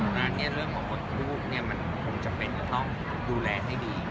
งานเรื่องของเพราะรูปมันคงจะเป็นต้องดูแลให้ดี